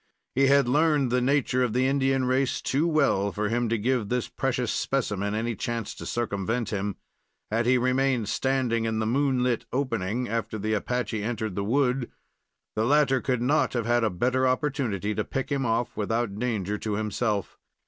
He had learned the nature of the Indian race too well for him to give this precious specimen any chance to circumvent him. Had he remained standing in the moonlight opening, after the Apache entered the wood, the latter could not have had a better opportunity to pick him off without danger to himself.